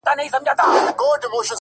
د رڼاګانو